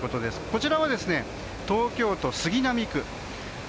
こちらは、東京都杉並区。